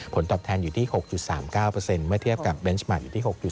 ผลตอบแทนอยู่ที่๖๓๙เมื่อเทียบกับเบนส์มาร์อยู่ที่๖๐